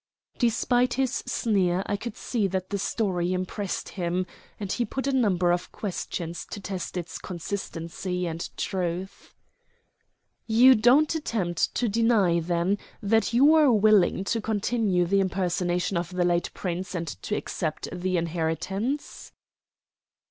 Despite his sneer I could see that the story impressed him; and he put a number of questions to test its consistency and truth. "You don't attempt to deny, then, that you were willing to continue the impersonation of the late Prince and to accept the inheritance?"